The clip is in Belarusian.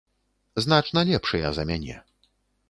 Значна лепшыя за мяне.